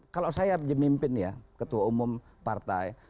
kalau saya pemimpin ya ketua umum partai